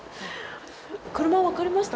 車分かりました？